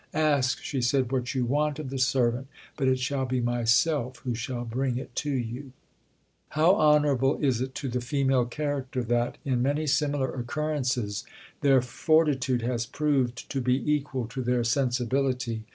"Ask," she said, "what you want of the servant, but it shall be myself who shall bring it to you." How honourable is it to the female character, that, in many similar occurrences, their fortitude has proved to be equal to their sensibility!